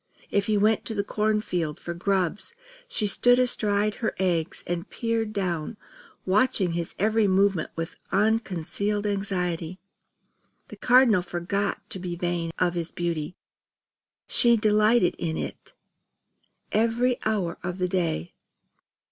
If he went to the corn field for grubs, she stood astride her eggs and peered down, watching his every movement with unconcealed anxiety. The Cardinal forgot to be vain of his beauty; she delighted in it every hour of the day.